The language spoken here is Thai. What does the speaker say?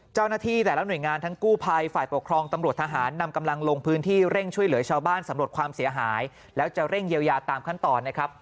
เจ้าหน้าที่แต่ละหน่วยงานทั้งกู้ภัยฝ่ายปกครองตำรวจทหารนำกำลังลงพื้นที่เร่งช่วยเหลือชาวบ้านสำรวจความเสียหายแล้วจะเร่งเยียวยาตามขั้นตอนนะครับ